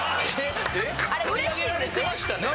取り上げられてましたね。